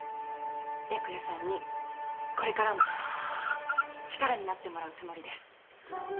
白夜さんにこれからも力になってもらうつもりです。